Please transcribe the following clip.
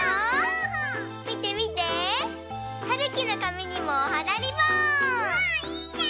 みてみて！はるきのかみにもおはなリボン！